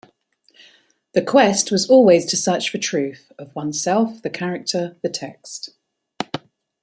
The quest was always to search for truth: of oneself, the character, the text.